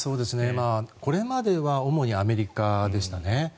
これまでは主にアメリカでしたね。